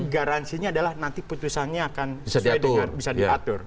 garansinya adalah nanti putusannya akan sesuai dengan bisa diatur